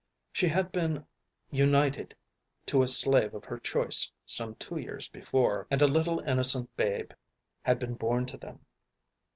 She had been united to a slave of her choice some two years before, and a little innocent babe had been born to them.